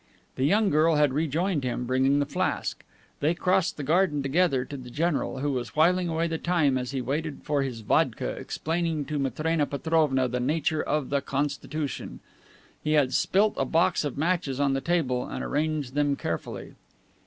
The young girl had rejoined him, bringing the flask. They crossed the garden together to the general, who was whiling away the time as he waited for his vodka explaining to Matrena Petrovna the nature of "the constitution." He had spilt a box of matches on the table and arranged them carefully.